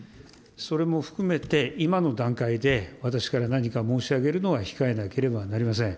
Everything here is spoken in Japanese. それも含めて、今の段階で私から何か申し上げるのは控えなければなりません。